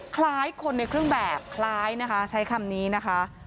คล้ายคนในเครื่องแบบคล้ายนะคะใช้คำนี้นะคะ